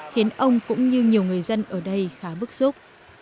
khiến ông cũng như nhiều người dân ở đây khá bức xúc